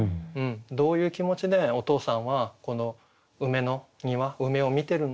どういう気持ちでお父さんはこの梅の庭梅を観てるのかなと。